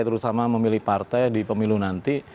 terutama memilih partai di pemilu nanti